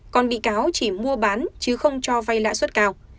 còn bị cáo chỉ mua bán chứ không cho vay lãi suất cao